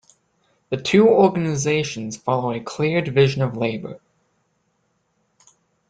The two organizations follow a clear division of labor.